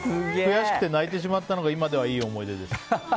悔しくて泣いてしまったのが今では、いい思い出です。